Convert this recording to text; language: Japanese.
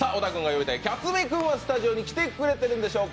キャツミ君はスタジオに来てくれてるんでしょうか。